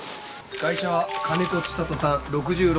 ガイシャは金子千里さん６６歳。